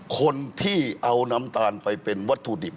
คนที่เอาน้ำตาลไปเป็นวัตถุดิบ